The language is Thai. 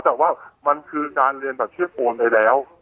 แต่ว่ามันคือการเรียนแบบเชื่อโปรนได้แล้ว